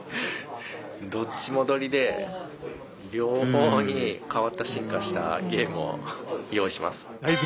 どっちも取りで両方に変わった進化したゲームを用意します。